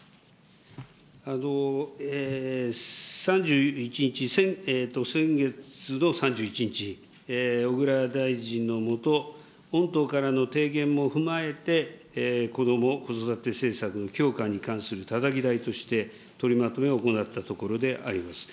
３１日、先月の３１日、小倉大臣の下、御党からの提言も踏まえて、子ども・子育て政策の強化に関するたたき台として、取りまとめを行ったところであります。